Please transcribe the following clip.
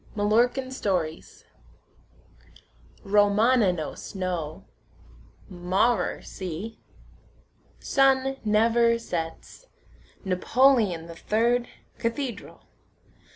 MALLORCAN STORIES Romanonos no. Maurer see. Sun never sets. Napoleon the third, cathedral.